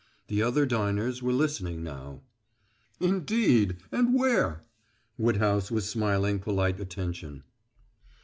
The other diners were listening now. "Indeed! And where?" Woodhouse was smiling polite attention.